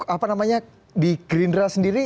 apa namanya di gerindra sendiri